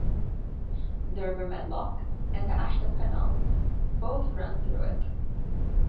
The River Medlock and the Ashton Canal both run through it.